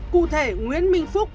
cụ thể nguyễn minh phúc